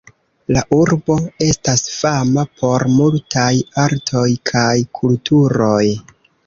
La urbo estas fama por multaj artoj kaj kulturoj.